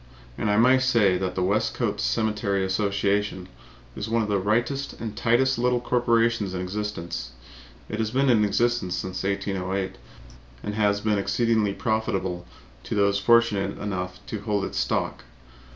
And I may say that the Westcote Cemetery Association is one of the rightest and tightest little corporations in existence. It has been in existence since 1808 and has been exceedingly profitable to those fortunate enough to hold its stock.